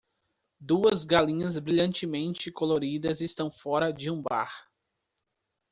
Duas galinhas brilhantemente coloridas estão fora de um bar.